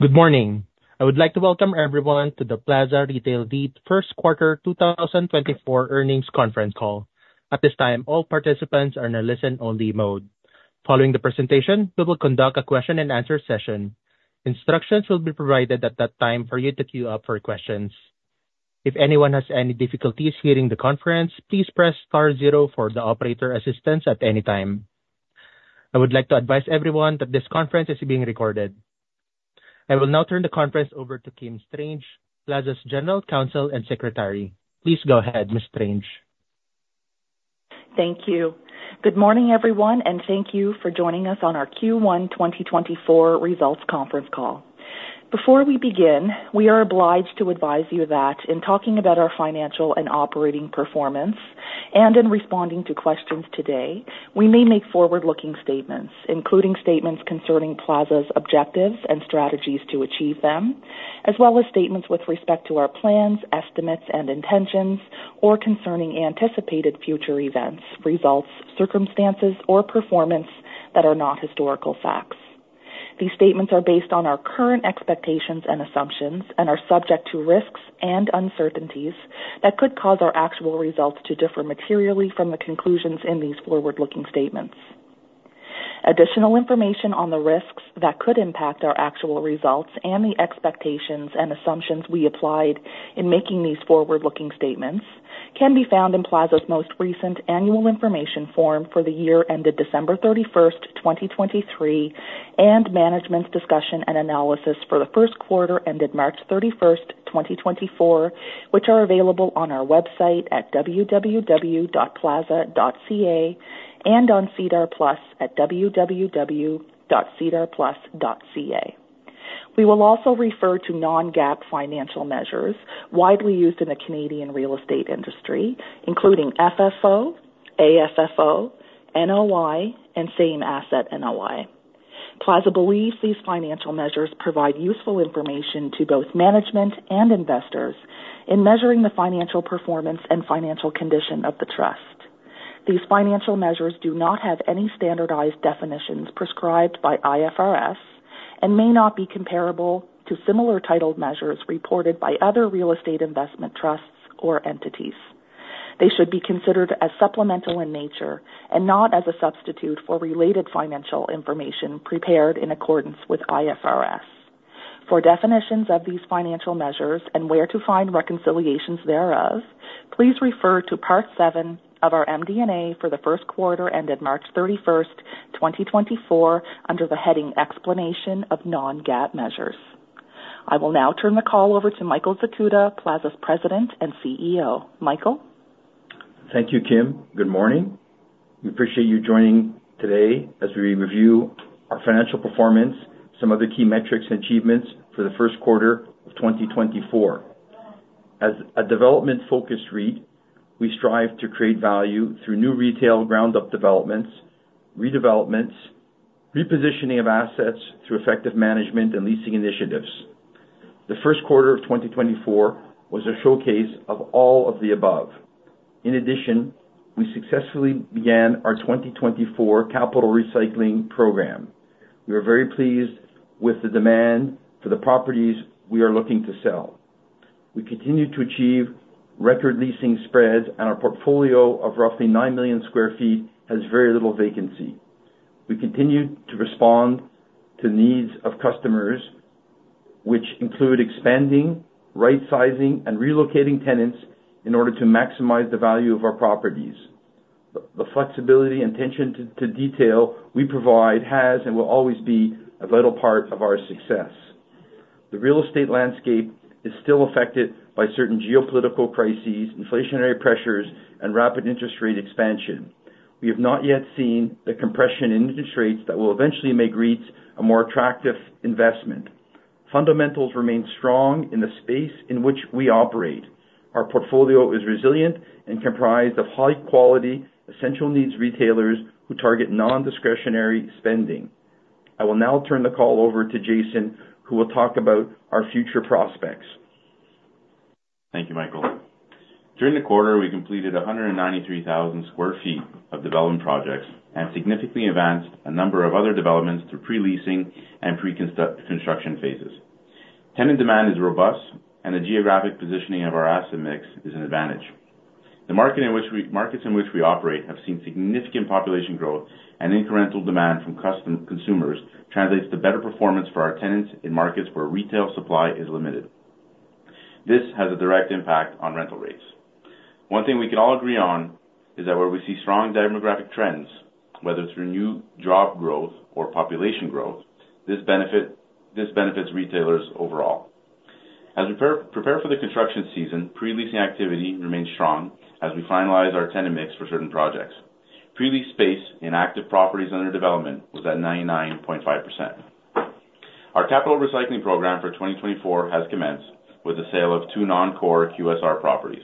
Good morning. I would like to welcome everyone to the Plaza Retail REIT First Quarter 2024 Earnings Conference Call. At this time, all participants are in a listen-only mode. Following the presentation, we will conduct a question-and-answer session. Instructions will be provided at that time for you to queue up for questions. If anyone has any difficulties hearing the conference, please press star zero for the operator assistance at any time. I would like to advise everyone that this conference is being recorded. I will now turn the conference over to Kim Strange, Plaza's General Counsel and Secretary. Please go ahead, Ms. Strange. Thank you. Good morning, everyone, and thank you for joining us on our Q1 2024 results conference call. Before we begin, we are obliged to advise you that in talking about our financial and operating performance, and in responding to questions today, we may make forward-looking statements, including statements concerning Plaza's objectives and strategies to achieve them, as well as statements with respect to our plans, estimates, and intentions, or concerning anticipated future events, results, circumstances, or performance that are not historical facts. These statements are based on our current expectations and assumptions and are subject to risks and uncertainties that could cause our actual results to differ materially from the conclusions in these forward-looking statements. Additional information on the risks that could impact our actual results and the expectations and assumptions we applied in making these forward-looking statements can be found in Plaza's most recent Annual Information Form for the year ended December 31, 2023, and Management's Discussion and Analysis for the first quarter ended March 31, 2024, which are available on our website at www.plaza.ca and on SEDAR+ at www.sedarplus.ca. We will also refer to non-GAAP financial measures widely used in the Canadian real estate industry, including FFO, AFFO, NOI, and Same Asset NOI. Plaza believes these financial measures provide useful information to both management and investors in measuring the financial performance and financial condition of the trust. These financial measures do not have any standardized definitions prescribed by IFRS and may not be comparable to similar titled measures reported by other real estate investment trusts or entities. They should be considered as supplemental in nature and not as a substitute for related financial information prepared in accordance with IFRS. For definitions of these financial measures and where to find reconciliations thereof, please refer to part seven of our MD&A for the first quarter ended March 31st, 2024, under the heading Explanation of Non-GAAP Measures. I will now turn the call over to Michael Zakuta, Plaza's President and CEO. Michael? Thank you, Kim. Good morning. We appreciate you joining today as we review our financial performance, some of the key metrics and achievements for the first quarter of 2024. As a development-focused REIT, we strive to create value through new retail, ground-up developments, redevelopments, repositioning of assets through effective management and leasing initiatives. The first quarter of 2024 was a showcase of all of the above. In addition, we successfully began our 2024 capital recycling program. We are very pleased with the demand for the properties we are looking to sell. We continue to achieve record leasing spreads, and our portfolio of roughly 9 million sq ft has very little vacancy. We continue to respond to needs of customers, which include expanding, right sizing, and relocating tenants in order to maximize the value of our properties. The flexibility and attention to detail we provide has and will always be a vital part of our success. The real estate landscape is still affected by certain geopolitical crises, inflationary pressures, and rapid interest rate expansion. We have not yet seen the compression in interest rates that will eventually make REITs a more attractive investment. Fundamentals remain strong in the space in which we operate. Our portfolio is resilient and comprised of high quality, essential needs retailers who target non-discretionary spending. I will now turn the call over to Jason, who will talk about our future prospects. Thank you, Michael. During the quarter, we completed 193,000 sq ft of development projects and significantly advanced a number of other developments through pre-leasing and pre-construction phases. Tenant demand is robust, and the geographic positioning of our asset mix is an advantage. The markets in which we operate have seen significant population growth, and incremental demand from consumers translates to better performance for our tenants in markets where retail supply is limited. This has a direct impact on rental rates. One thing we can all agree on is that where we see strong demographic trends, whether it's through new job growth or population growth, this benefits retailers overall. As we prepare for the construction season, pre-leasing activity remains strong as we finalize our tenant mix for certain projects. Pre-leased space in active properties under development was at 99.5%. Our capital recycling program for 2024 has commenced with the sale of two non-core QSR properties.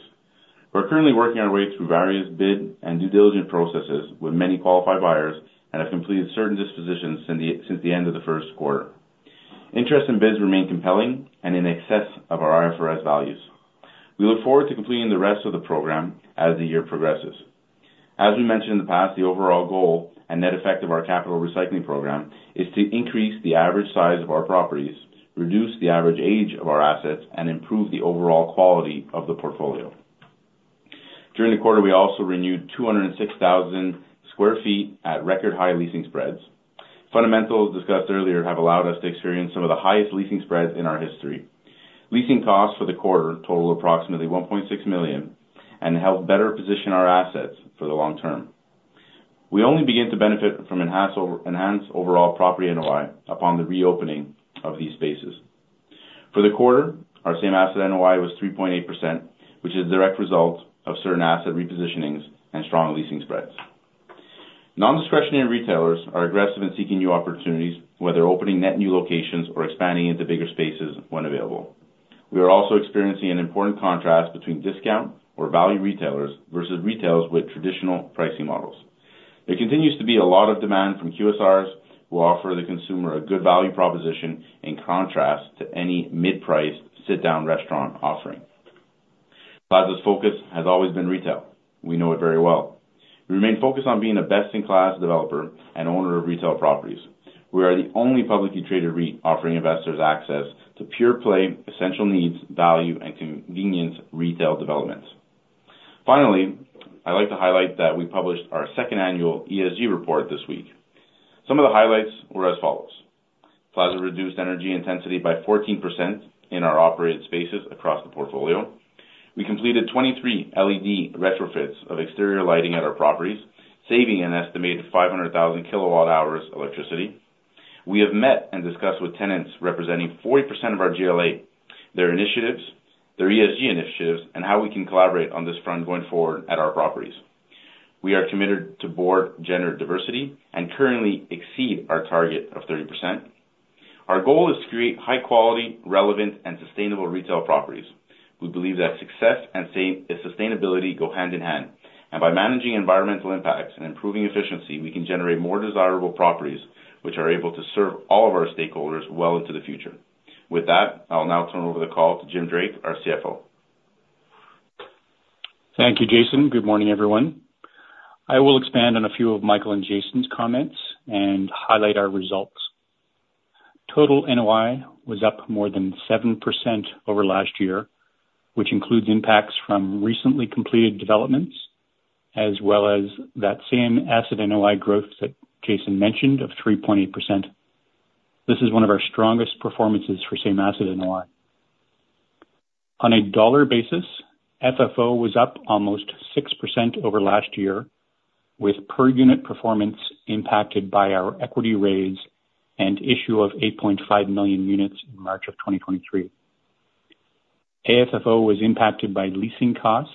We're currently working our way through various bid and due diligence processes with many qualified buyers and have completed certain dispositions since the end of the first quarter. Interest in bids remain compelling and in excess of our IFRS values. We look forward to completing the rest of the program as the year progresses. As we mentioned in the past, the overall goal and net effect of our capital recycling program is to increase the average size of our properties, reduce the average age of our assets, and improve the overall quality of the portfolio. During the quarter, we also renewed 206,000 sq ft at record high leasing spreads. Fundamentals discussed earlier have allowed us to experience some of the highest leasing spreads in our history. Leasing costs for the quarter totaled approximately 1.6 million and helped better position our assets for the long term. We only begin to benefit from enhanced overall property NOI upon the reopening of these spaces. For the quarter, our Same Asset NOI was 3.8%, which is a direct result of certain asset repositionings and strong leasing spreads. Nondiscretionary retailers are aggressive in seeking new opportunities, whether opening net new locations or expanding into bigger spaces when available. We are also experiencing an important contrast between discount or value retailers versus retailers with traditional pricing models. There continues to be a lot of demand from QSRs, who offer the consumer a good value proposition in contrast to any mid-price sit-down restaurant offering. Plaza's focus has always been retail. We know it very well. We remain focused on being a best-in-class developer and owner of retail properties. We are the only publicly traded REIT offering investors access to pure-play, essential needs, value, and convenience retail developments. Finally, I'd like to highlight that we published our second annual ESG report this week. Some of the highlights were as follows: Plaza reduced energy intensity by 14% in our operated spaces across the portfolio. We completed 23 LED retrofits of exterior lighting at our properties, saving an estimated 500,000 kWh of electricity. We have met and discussed with tenants representing 40% of our GLA, their initiatives, their ESG initiatives, and how we can collaborate on this front going forward at our properties. We are committed to board gender diversity and currently exceed our target of 30%. Our goal is to create high quality, relevant, and sustainable retail properties. We believe that success and sustainability go hand in hand, and by managing environmental impacts and improving efficiency, we can generate more desirable properties, which are able to serve all of our stakeholders well into the future. With that, I'll now turn over the call to Jim Drake, our CFO. Thank you, Jason. Good morning, everyone. I will expand on a few of Michael and Jason's comments and highlight our results. Total NOI was up more than 7% over last year, which includes impacts from recently completed developments, as well as that Same Asset NOI growth that Jason mentioned of 3.8%. This is one of our strongest performances for Same Asset NOI. On a dollar basis, FFO was up almost 6% over last year, with per unit performance impacted by our equity raise and issue of 8.5 million units in March of 2023. AFFO was impacted by leasing costs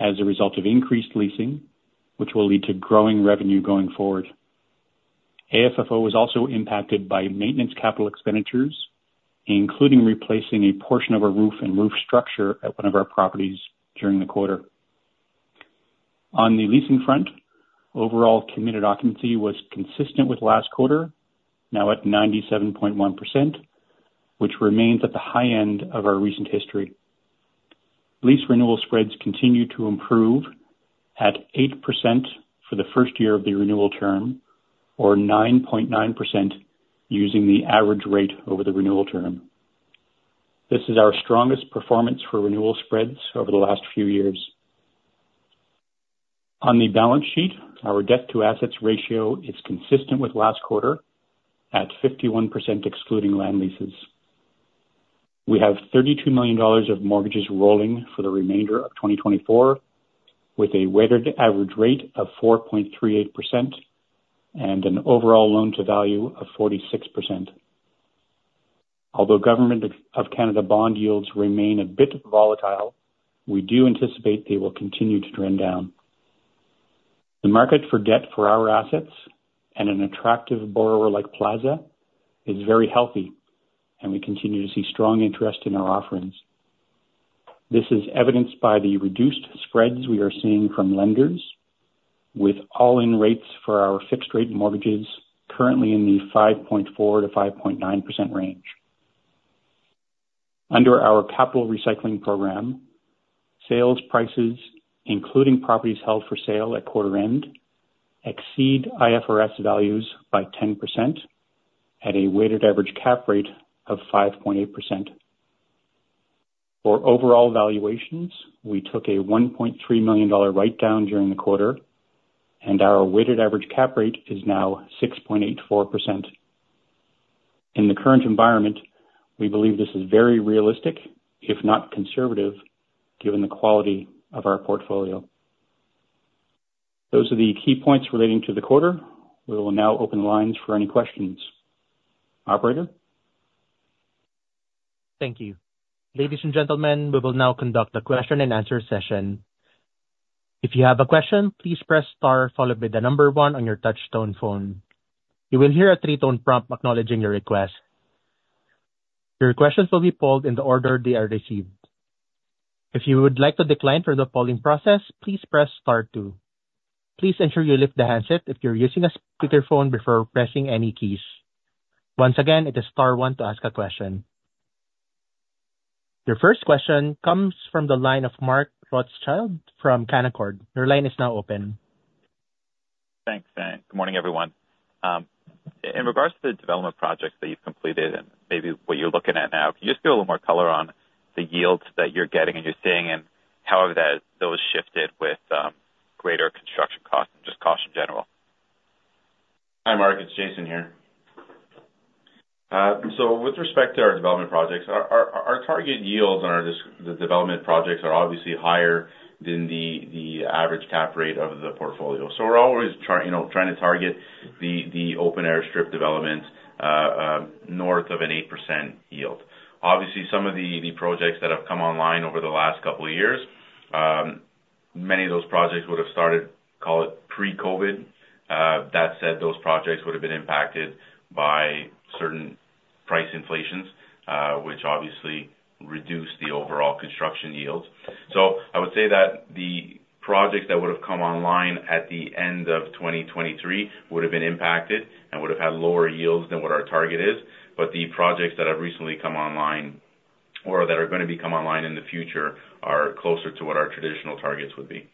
as a result of increased leasing, which will lead to growing revenue going forward. AFFO was also impacted by maintenance capital expenditures, including replacing a portion of our roof and roof structure at one of our properties during the quarter. On the leasing front, overall committed occupancy was consistent with last quarter, now at 97.1%, which remains at the high end of our recent history. Lease renewal spreads continued to improve at 8% for the first year of the renewal term, or 9.9% using the average rate over the renewal term. This is our strongest performance for renewal spreads over the last few years. On the balance sheet, our debt-to-assets ratio is consistent with last quarter at 51%, excluding land leases. We have 32 million dollars of mortgages rolling for the remainder of 2024, with a weighted average rate of 4.38% and an overall loan-to-value of 46%. Although Government of Canada bond yields remain a bit volatile, we do anticipate they will continue to trend down. The market for debt for our assets and an attractive borrower like Plaza is very healthy, and we continue to see strong interest in our offerings. This is evidenced by the reduced spreads we are seeing from lenders, with all-in rates for our fixed rate mortgages currently in the 5.4%-5.9% range. Under our capital recycling program, sales prices, including properties held for sale at quarter end, exceed IFRS values by 10% at a weighted average cap rate of 5.8%. For overall valuations, we took a 1.3 million dollar write-down during the quarter, and our weighted average cap rate is now 6.84%. In the current environment, we believe this is very realistic, if not conservative, given the quality of our portfolio. Those are the key points relating to the quarter. We will now open the lines for any questions. Operator? Thank you. Ladies and gentlemen, we will now conduct a question-and-answer session. If you have a question, please press star followed by the number one on your touch-tone phone. You will hear a three-tone prompt acknowledging your request. Your questions will be polled in the order they are received. If you would like to decline from the polling process, please press star two. Please ensure you lift the handset if you're using a speakerphone before pressing any keys. Once again, it is star one to ask a question. Your first question comes from the line of Mark Rothschild from Canaccord. Your line is now open. Thanks, and good morning, everyone. In regards to the development projects that you've completed and maybe what you're looking at now, can you just give a little more color on the yields that you're getting and you're seeing, and how have that, those shifted with greater construction costs and just costs in general? Hi, Mark, it's Jason here. So with respect to our development projects, our target yields on our development projects are obviously higher than the average cap rate of the portfolio. So we're always trying, you know, to target the open-air strip development north of an 8% yield. Obviously, some of the projects that have come online over the last couple of years, many of those projects would have started, call it pre-COVID. That said, those projects would have been impacted by certain price inflations, which obviously reduced the overall construction yields. So I would say that the projects that would have come online at the end of 2023 would have been impacted and would have had lower yields than what our target is. But the projects that have recently come online or that are gonna be come online in the future, are closer to what our traditional targets would be.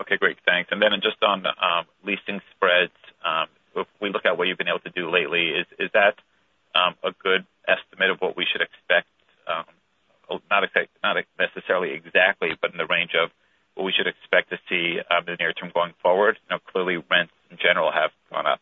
Okay, great. Thanks. And then just on the leasing spreads, if we look at what you've been able to do lately, is that a good estimate of what we should expect? Not necessarily exactly, but in the range of what we should expect to see in the near term going forward. Now, clearly, rents in general have gone up.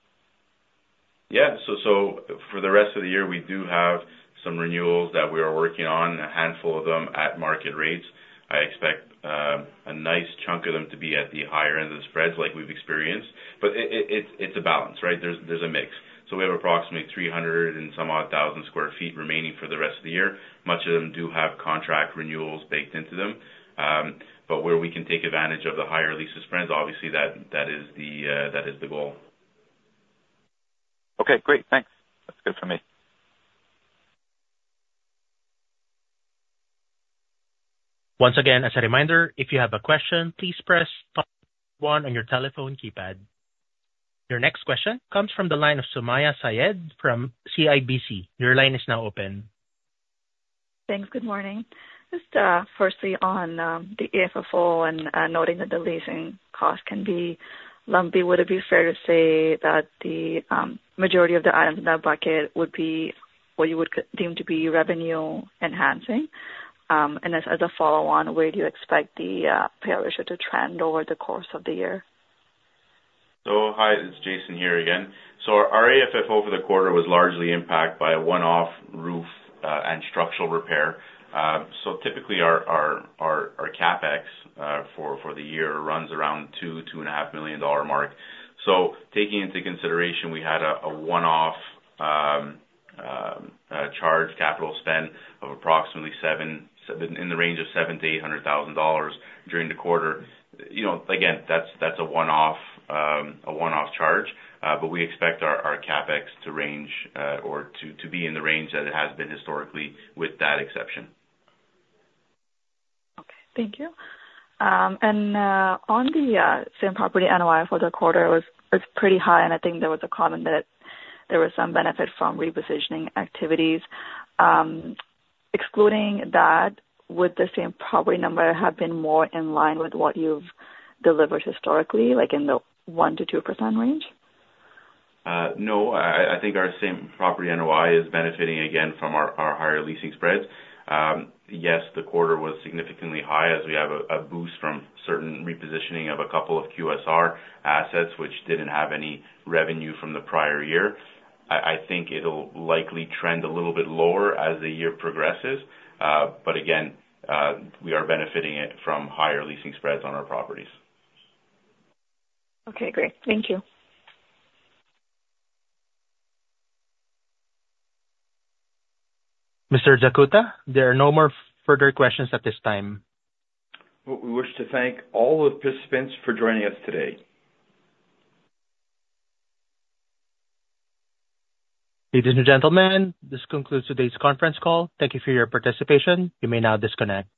Yeah. So for the rest of the year, we do have some renewals that we are working on, a handful of them at market rates. I expect a nice chunk of them to be at the higher end of the spreads like we've experienced, but it's a balance, right? There's a mix. So we have approximately 300 and some odd thousand sq ft remaining for the rest of the year. Much of them do have contract renewals baked into them, but where we can take advantage of the higher leases spreads, obviously, that is the goal. Okay, great. Thanks. That's good for me. Once again, as a reminder, if you have a question, please press star one on your telephone keypad. Your next question comes from the line of Sumayya Syed from CIBC. Your line is now open. Thanks. Good morning. Just, firstly on, the AFFO and, noting that the leasing costs can be lumpy, would it be fair to say that the, majority of the items in that bucket would be what you would deem to be revenue enhancing? And as a follow-on, where do you expect the, payout ratio to trend over the course of the year? So hi, it's Jason here again. So our AFFO for the quarter was largely impacted by a one-off roof and structural repair. So typically, our CapEx for the year runs around $2 million-$2.5 million mark. So taking into consideration, we had a one-off charge capital spend of approximately seven... In the range of 700,000-800,000 dollars during the quarter. You know, again, that's a one-off charge, but we expect our CapEx to range or to be in the range that it has been historically with that exception. Okay. Thank you. And on the same-property NOI for the quarter was pretty high, and I think there was a comment that there was some benefit from repositioning activities. Excluding that, would the same property number have been more in line with what you've delivered historically, like in the 1%-2% range? No. I think our same-property NOI is benefiting again from our higher leasing spreads. Yes, the quarter was significantly high as we have a boost from certain repositioning of a couple of QSR assets, which didn't have any revenue from the prior year. I think it'll likely trend a little bit lower as the year progresses. But again, we are benefiting it from higher leasing spreads on our properties. Okay, great. Thank you. Mr. Zakuta, there are no more further questions at this time. Well, we wish to thank all the participants for joining us today. Ladies and gentlemen, this concludes today's conference call. Thank you for your participation. You may now disconnect.